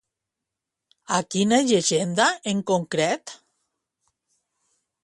A quina llegenda, en concret?